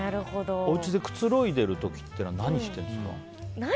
おうちでくつろいでいる時って何しているんですか？